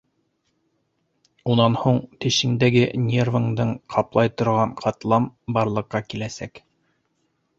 Унан һуң тешеңдәге нервыңдың ҡаплай торған ҡатлам барлыҡҡа киләсәк.